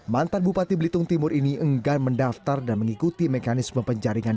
mantan bupati belitung timur ini enggan mendaftar dan mengikuti mekanisme penjaringan